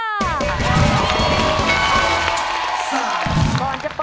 สวัสดีครับ